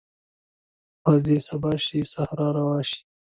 ورځ چې سبا شي سحر روا شي